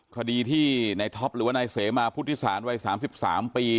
คดีที่ในท็อปหรือว่านายเสมาพุทธิศาลวัย๓๓ปี